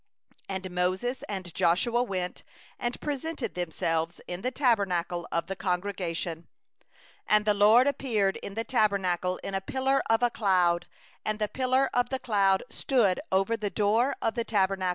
And Moses and Joshua went, and presented themselves in the tent of meeting. 15And the LORD appeared in the Tent in a pillar of cloud; and the pillar of cloud stood over the door of the Tent.